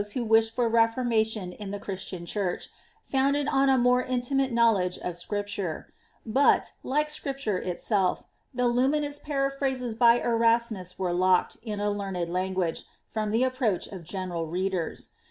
who wished for reformation in the Christian Church, founded on a more intimate kiiowledgre of Scripture; but^ like Scripture itself, the Inminoos paraphrases by Erasmus were locked, in a learned language, from the approacb of general readers.